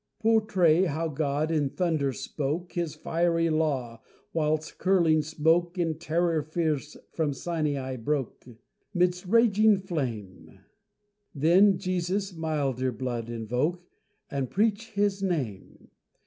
Pourtray how God in thunder spoke His fiery Law, whilst curling smoke, In terror fierce, from Sinai broke, Midst raging flame! Then Jesu's milder blood invoke, And preach His name.